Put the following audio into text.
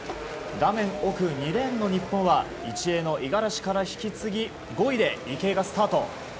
画面奥２レーンの日本は１泳の五十嵐から引き継ぎ５位で池江がスタート。